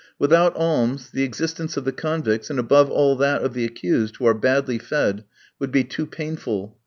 Without alms, the existence of the convicts, and above all that of the accused, who are badly fed, would be too painful.